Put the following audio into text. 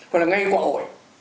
hoặc là ngay quả ổi